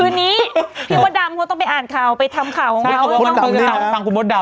คือนี้พี่มดดำคงต้องไปอ่านข่าวไปทำข่าวของเขา